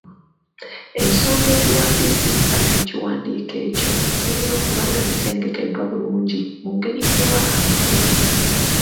Ensonga eziwandiisizza ekiwandiiko ekyo zirina okuba nga zisengekeddwa bulungi mu ngeri ewa amakulu.